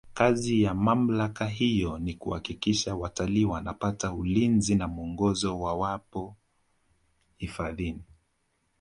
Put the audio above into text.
kazi ya mamlaka hiyo ni kuhakikisha watalii wanapata ulinzi na mwongozo wawapo hifadhini